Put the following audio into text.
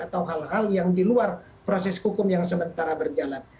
atau hal hal yang di luar proses hukum yang sementara berjalan